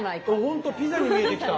ほんとピザに見えてきた。